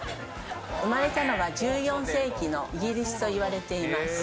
生まれたのは１４世紀のイギリスといわれています。